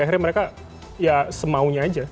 akhirnya mereka ya semaunya aja